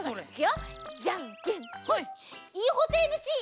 じゃんけんぽん！